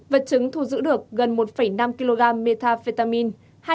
vật chứng thu giữ được gần một năm kg metafetamine